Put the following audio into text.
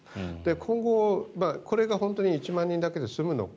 今後、これが本当に１万人だけで済むのか。